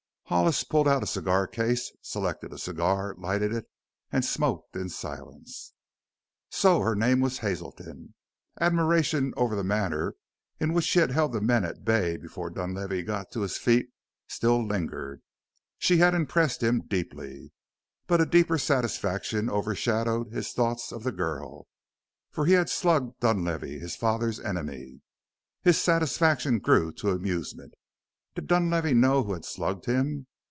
Hollis pulled out a cigar case, selected a cigar, lighted it, and smoked in silence. So her name was Hazelton. Admiration over the manner in which she had held the men at bay before Dunlavey got to his feet still lingered; she had impressed him deeply. But a deeper satisfaction overshadowed his thoughts of the girl, for he had slugged Dunlavey, his father's enemy. His satisfaction grew to amusement. Did Dunlavey know who had slugged him?